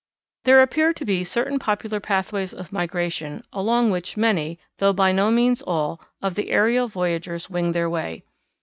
There appear to be certain popular pathways of migration along which many, though by no means all, of the aerial voyageurs wing their way.